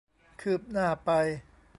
คืบหน้าไป